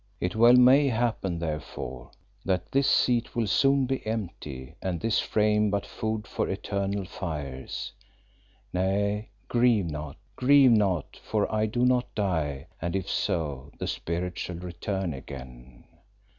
It well may happen, therefore, that this seat will soon be empty and this frame but food for the eternal fires. Nay, grieve not, grieve not, for I do not die and if so, the spirit shall return again.